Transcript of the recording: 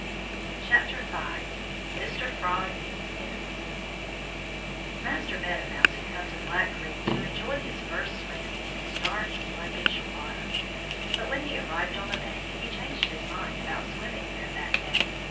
5 Mr. Frog Insists MASTER MEADOW MOUSE had come to Black Creek to enjoy his first swim in its dark, sluggish water. But when he arrived on the bank he changed his mind about swimming there that day.